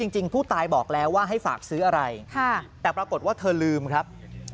จริงผู้ตายบอกแล้วว่าให้ฝากซื้ออะไรแต่ปรากฏว่าเธอลืมครับ